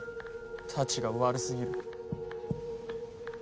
たちが悪すぎる。